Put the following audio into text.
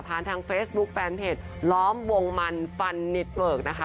ทางเฟซบุ๊คแฟนเพจล้อมวงมันฟันนิดเวิร์กนะคะ